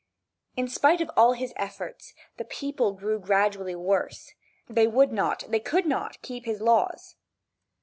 In spite of all his efforts, the people grew gradually worse. They would not, they could not keep his laws.